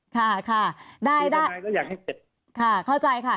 ค่ะค่ะได้ได้ถือทนายก็อยากให้เต็ดค่ะเข้าใจค่ะ